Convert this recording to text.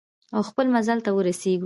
او خپل منزل ته ورسیږو.